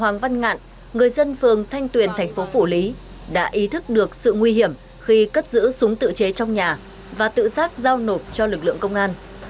người dân phường thanh tuyền thành phố phủ lý đã ý thức được sự nguy hiểm khi cất giữ súng tự chế trong nhà và tự giác giao nổ cho lực lượng công an